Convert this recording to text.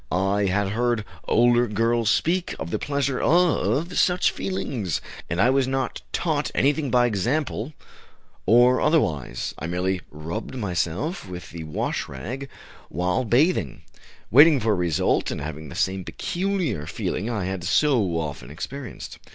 I had heard older girls speak of the pleasure of such feelings, but I was not taught anything by example, or otherwise. I merely rubbed myself with the wash rag while bathing, waiting for a result, and having the same peculiar feeling I had so often experienced.